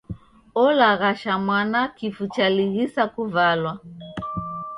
Olaghasha mwana kifu chalighisa kuvalwa.